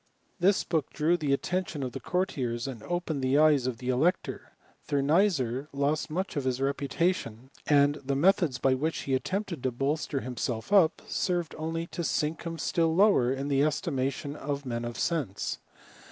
This book drew the attention of the cour tiers, and opened the eyes of the elector. Thur ^ysser lost much of his reputation ; and the methods ^ which he attempted to bolster himself up, served ^ly to sink him still lower in the estimation of ^n of sense.